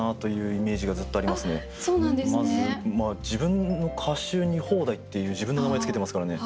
まず自分の歌集に「方代」っていう自分の名前付けてますからね。